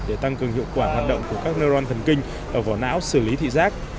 để tăng cường hiệu quả hoạt động của các naran thần kinh ở vỏ não xử lý thị giác